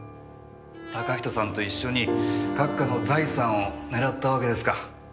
嵩人さんと一緒に閣下の財産を狙ったわけですか。